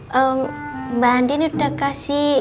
eee mbak andin udah kasih